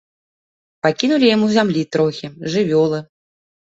Пакінулі яму зямлі трохі, жывёлы.